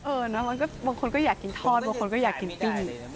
บางคนก็อยากกินทอดบางคนก็อยากกินปิ้ง